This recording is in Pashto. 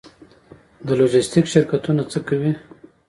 د لوژستیک شرکتونه څه کوي؟